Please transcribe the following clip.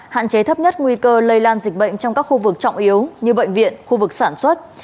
hạn chế thấp nhất nguy cơ lây lan dịch bệnh trong các khu vực trọng yếu như bệnh viện khu vực sản xuất